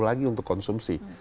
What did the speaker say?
lagi untuk konsumsi